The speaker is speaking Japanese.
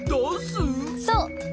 そう！